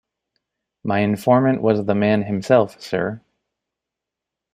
My informant was the man himself, sir.